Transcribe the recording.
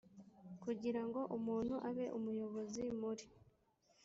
kugira ngo umuntu abe umuyobozi muri